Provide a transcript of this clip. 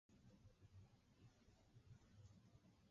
mitãnguéra kõinguéva katu iñipertinénteva hikuái